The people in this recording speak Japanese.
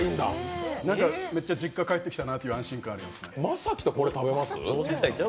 めっちゃ実家、帰ってきたなっていう安心感ありますね。